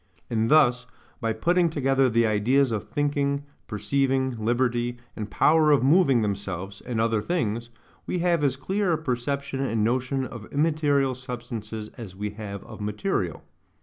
And thus, by putting together the ideas of thinking, perceiving, liberty, and power of moving themselves and other things, we have as clear a perception and notion of immaterial substances as we have of material.